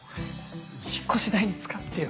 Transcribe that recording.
引っ越し代に使ってよ。